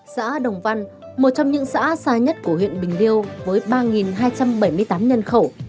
xã đồng văn một trong những xã xa nhất của huyện bình liêu với ba hai trăm bảy mươi tám nhân khẩu